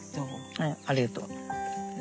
はいありがとう。